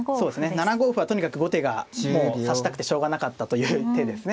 ７五歩はとにかく後手がもう指したくてしょうがなかったという手ですね。